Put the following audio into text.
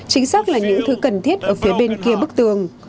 chính xác là những thứ cần thiết ở phía bên kia bức tường